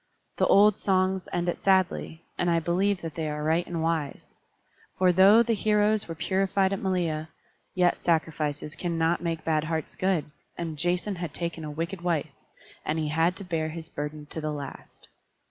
The old songs end it sadly, and I believe that they are right and wise; for though the heroes were purified at Malea, yet sacrifices cannot make bad hearts good, and Jason had taken a wicked wife, and he had to bear his burden to the last.